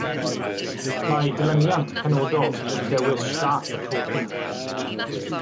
Mae dilyniant penodol yn dewis siâp y protein